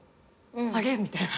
あれ？みたいな。